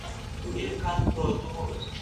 د معلولینو لپاره باید په ودانیو کي اسانتیاوې وي.